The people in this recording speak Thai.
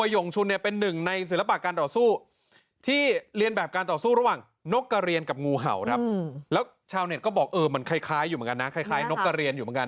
พอจะมีเรื่องพื้นฐานเรื่องมวยอะไรอยู่อย่างนี้บ้างค่ะ